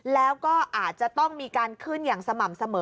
แล้วก็อาจจะต้องมีการขึ้นอย่างสม่ำเสมอ